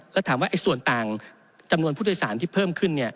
ก็ถามว่าส่วนต่างจำนวนผู้โดยสารที่เพิ่มขึ้น